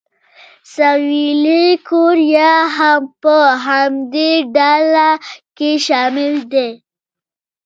سویلي کوریا هم په همدې ډله کې شامل دی.